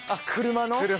車の。